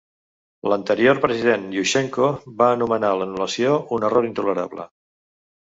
L'anterior president Yushchenko va anomenar l'anul·lació "un error intolerable".